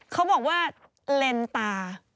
เขาบอกว่าเลนตา